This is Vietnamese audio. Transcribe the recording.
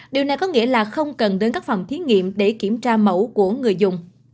điều này có nghĩa là không cần đến các phòng thí nghiệm để kiểm tra mẫu của người dùng